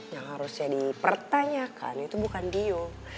yang harusnya dipertanyakan itu bukan dio